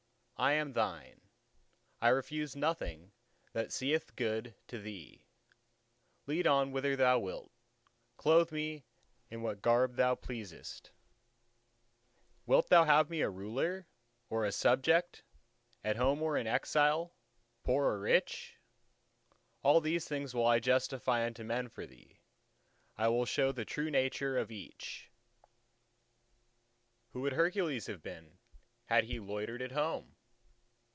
I am Thine: I refuse nothing that seeeth good to Thee; lead on whither Thou wilt; clothe me in what garb Thou pleasest; wilt Thou have me a ruler or a subject—at home or in exile—poor or rich? All these things will I justify unto men for Thee. I will show the true nature of each. ..." Who would Hercules have been had he loitered at home?